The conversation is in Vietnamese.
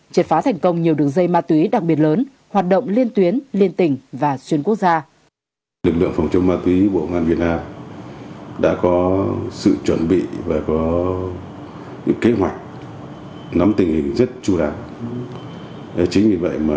triệt phá thành công nhiều đường dây ma túy đặc biệt lớn hoạt động liên tuyến liên tỉnh và xuyên quốc gia